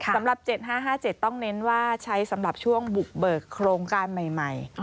สำหรับ๗๕๕๗ต้องเน้นว่าใช้สำหรับช่วงบุกเบิกโครงการใหม่